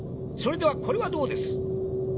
それではこれはどうです？